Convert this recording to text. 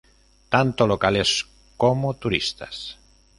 Tanto locales, como turistas.